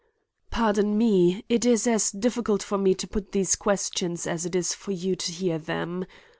"Pardon me; it is as difficult for me to put these questions as it is for you to hear them.